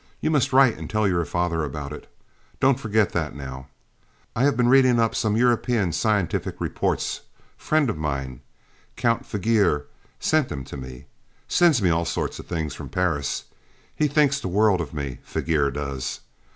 You must write and tell your father about it don't forget that, now. I have been reading up some European Scientific reports friend of mine, Count Fugier, sent them to me sends me all sorts of things from Paris he thinks the world of me, Fugier does.